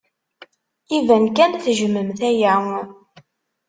Iban kan tejjmemt aya.